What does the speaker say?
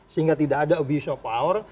sehingga tidak ada abuse of power